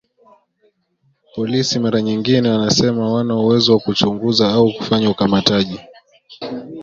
Polisi mara nyingine wanasema hawana uwezo wa kuchunguza au kufanya ukamataji